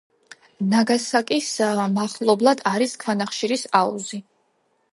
ნაგასაკის მახლობლად არის ქვანახშირის აუზი.